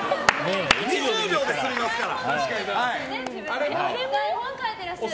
２０秒で済みますから。